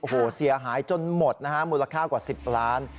โอ้โหเสียหายจนหมดนะฮะมูลค่ากว่า๑๐ล้าน